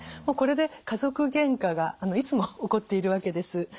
もうこれで家族げんかがいつも起こっているわけです。